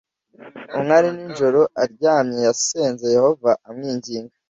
Umwe ari nijoro andyamye yasenze Yehova amwinginga